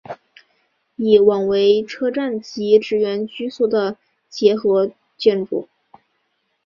以往为车站及职员居所的结合建筑。